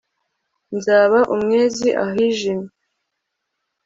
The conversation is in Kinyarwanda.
nzaba umwezi ahijimye